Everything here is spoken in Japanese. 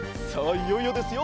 いよいよですよ。